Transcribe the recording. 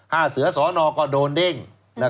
ห้าเสือสนเราก็โดนเด้ง